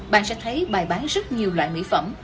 bạn sẽ thấy bài bán rất nhiều loại mỹ phẩm